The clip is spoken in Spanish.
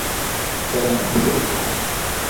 Sala aceptó.